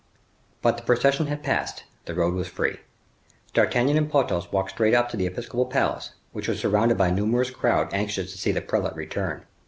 But the procession had passed; the road was free. D'Artagnan and Porthos walked straight up to the episcopal palace, which was surrounded by a numerous crowd anxious to see the prelate return.